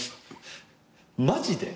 マジで？